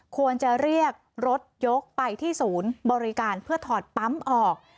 ควรจะเรียกรถยกไปที่ศูนย์บริการเพื่อถอดปั๊มออก